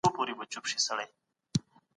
موږ د خپلې روغتیا په ساتلو بوخت یو.